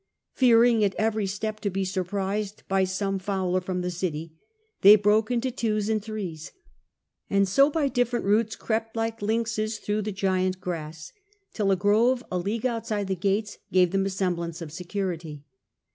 Fearing at every step to be surprised by some fowler from the city, they broke into twos and threes, and so by different routes crept like lynxes through the giant grass, till a grove a league outside the gates gave them a semblance of security.